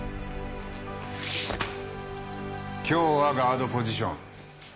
今日はガードポジション。